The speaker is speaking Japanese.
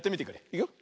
いくよ。